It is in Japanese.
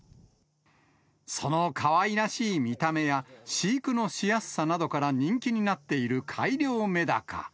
そのかわいらしい見た目や、飼育のしやすさなどから人気になっている改良メダカ。